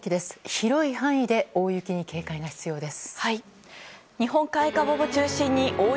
広い範囲で大雪に警戒が必要です。